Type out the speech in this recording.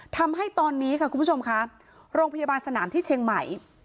ทำให้ตอนนี้ค่ะคุณผู้ชมค่ะโรงพยาบาลสนามที่เชียงใหม่